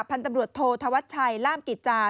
พันธุ์ตำรวจโทษธวัชชัยล่ามกิจจา